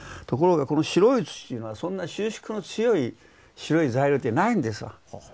ところがこの白い土にはそんな収縮の強い白い材料ってないんですわ。